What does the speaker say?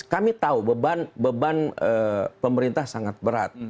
kami tahu beban pemerintah sangat berat